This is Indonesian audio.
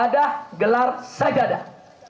ibadah gelar sajadah